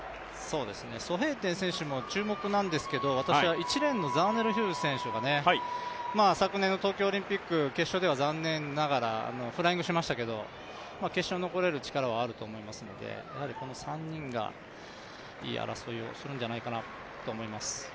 ソ・ヘイテン選手も注目なんですけど１レーンのザーネル・ヒューズ選手が、昨年の東京オリンピック決勝では残念ながらフライングしましたけど決勝に残れる力はあると思いますのでこの３人が言い争いをするんじゃないかなと思います。